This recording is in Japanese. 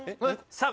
さあ